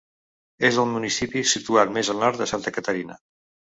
És el municipi situat més al nord de Santa Catarina.